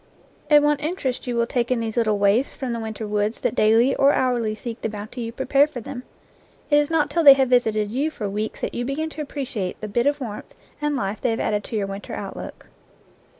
And what interest you will take in these little waifs from the winter woods that daily or hourly seek the bounty you prepare for them ! It is not till they have visited you for weeks that you begin to appreciate the bit of warmth and life they have added to your winter outlook.